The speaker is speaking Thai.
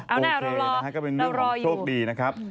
โอเคนะครับมันเป็นหนึ่งของโชคดีนะครับ